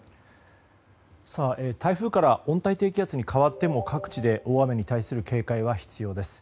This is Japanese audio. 台風から温帯低気圧に変わっても各地で大雨に対する警戒は必要です。